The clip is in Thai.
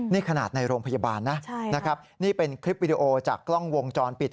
นี่ขนาดในโรงพยาบาลนะนะครับนี่เป็นคลิปวิดีโอจากกล้องวงจรปิด